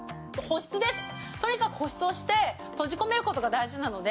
とにかく保湿をして閉じ込めることが大事なので。